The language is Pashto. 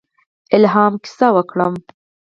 الهام کیسه وکړم.